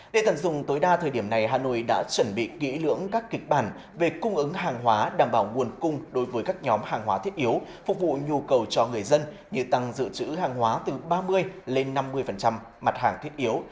để tận dụng tối đa thời điểm này hà nội đã chuẩn bị kỹ lưỡng các kịch bản về cung ứng hàng hóa đảm bảo nguồn cung đối với các nhóm hàng hóa thiết yếu phục vụ nhu cầu cho người dân như tăng dự trữ hàng hóa từ ba mươi lên năm mươi mặt hàng thiết yếu